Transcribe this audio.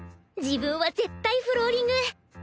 自分は絶対フローリング。